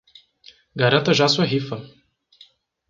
Garanta já sua rifa